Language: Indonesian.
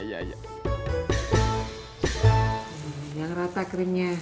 yang rata keringnya